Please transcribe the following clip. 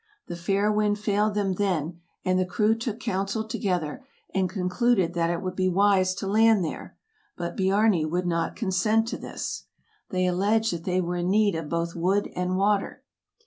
The fair wind failed them then, and the crew took counsel together, and con cluded that it would be wise to land there, but Biarni would not consent to this. They alleged that they were in need of both wood and water.